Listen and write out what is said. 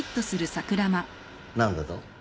何だと？